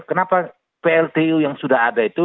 kenapa pltu yang sudah ada itu